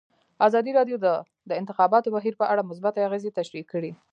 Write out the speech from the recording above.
ازادي راډیو د د انتخاباتو بهیر په اړه مثبت اغېزې تشریح کړي.